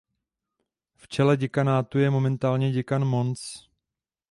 V čele děkanátu je momentálně děkan Mons.